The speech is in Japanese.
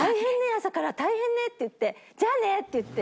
朝から大変ね」って言って「じゃーねー」って言って。